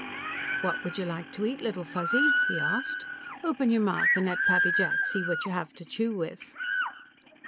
"What would you like to eat, Little Fuzzy?" he asked. "Open your mouth, and let Pappy Jack see what you have to chew with."